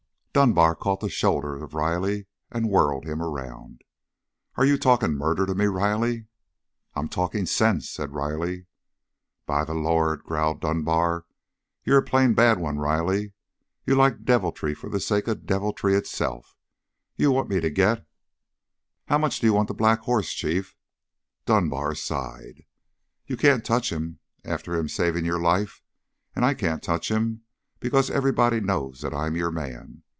Dunbar caught the shoulder of Riley and whirled him around. "Are you talking murder to me, Riley?" "I'm talking sense," said Riley. "By the Lord," growled Dunbar, "you're a plain bad one, Riley. You like deviltry for the sake of the deviltry itself. You want me to get " "How much do you want the black hoss, chief?" Dunbar sighed. "You can't touch him, after him saving your life, and I can't touch him, because everybody knows that I'm your man.